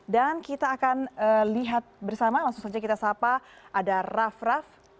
dan kita akan lihat bersama langsung saja kita sapa ada raff raff